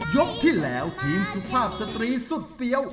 ยกที่แล้วทีมสุภาพสตรีสุดเฟี้ยว